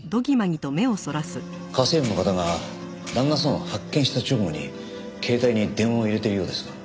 家政婦の方が旦那様を発見した直後に携帯に電話を入れてるようですが。